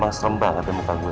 emang serembah babe muka gue